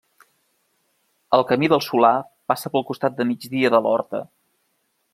El Camí del Solà passa pel costat de migdia de l'horta.